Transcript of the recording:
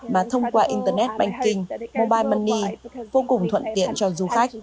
mà thông qua internet banking mobile money vô cùng thuận tiện cho du khách